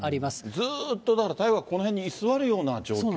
ずーっと、だから台風がこの辺に居座るような状況。